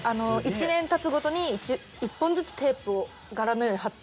１年たつごとに１本ずつテープを柄のように貼っていって。